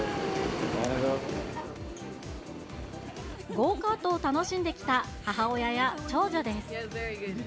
ゴーカートを楽しんできた母親や長女です。